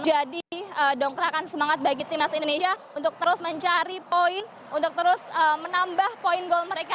jadi dongkrakkan semangat bagi timnas indonesia untuk terus mencari poin untuk terus menambah poin gol mereka